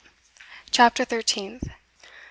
CHAPTER THIRTEENTH.